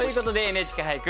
ＮＨＫ俳句